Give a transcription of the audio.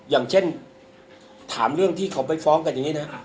อย่างเช่นถามเรื่องที่เขาไปฟ้องกันอย่างนี้นะ